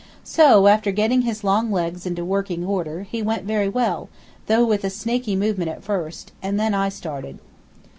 So, after getting his long legs into working order, he went very well, though with a snaky movement at first, and then I started.